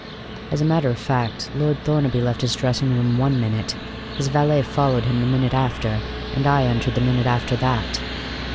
As a matter of fact, Lord Thornaby left his dressing room one minute, his valet followed him the minute after, and I entered the minute after that."